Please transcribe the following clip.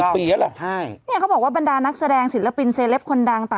เนี่ยเขาบอกว่าบรรดานักแสดงศิลปินเซลปคนดัง